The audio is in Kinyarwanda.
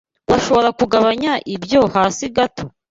Urashobora kugabanya ibyo hasi gato?